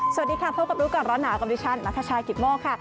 สวัสดีค่ะพบกับรู้ก่อนร้อนหนาวกับดิฉันนัทชายกิตโมกค่ะ